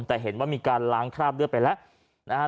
แต่เห็นว่ามีการล้างคราบเลือดไปแล้วนะฮะ